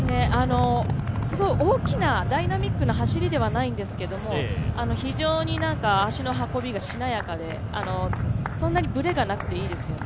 大きなダイナミックな走りではないんですけれども、非常に足の運びがしなやかで、そんなにブレがなくていいですよね。